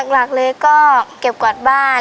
หลักเลยก็เก็บกวาดบ้าน